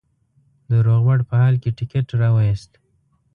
د روغبړ په حال کې ټکټ را وایست.